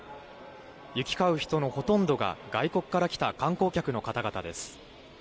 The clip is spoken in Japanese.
行き交う人のほとんどが外国から来た観光客の方々です。